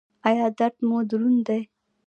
ایا درد مو دروند دی؟